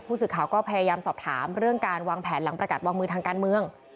สื่อก็พยายามสอบถามเรื่องการวางแผนหลังประกาศวางมือทางการเมือง